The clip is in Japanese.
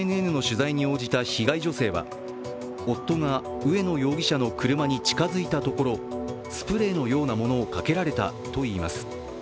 ＪＮＮの取材に応じた被害女性は、夫が上野容疑者の車に近づいたところスプレーのようなものをかけられたといいます。